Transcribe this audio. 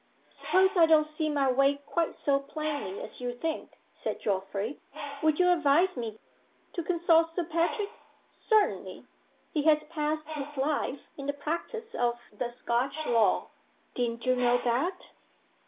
"Suppose I don't see my way quite so plainly as you think," said Geoffrey. "Would you advise me " "To consult Sir Patrick? Certainly! He has passed his life in the practice of the Scotch law. Didn't you know that?"